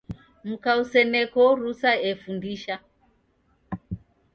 Muka useneko rusa efundisha